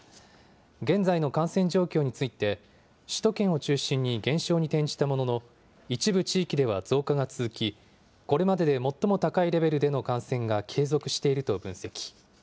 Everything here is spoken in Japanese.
現在の感染状況について、首都圏を中心に減少に転じたものの、一部地域では増加が続き、これまでで最も高いレベルでの感染が継続していると分析。